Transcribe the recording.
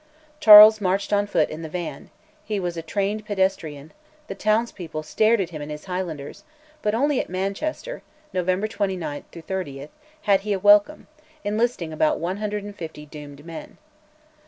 Charles marched on foot in the van; he was a trained pedestrian; the townspeople stared at him and his Highlanders, but only at Manchester (November 29 30) had he a welcome, enlisting about 150 doomed men.